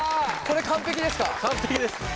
これ完璧ですか？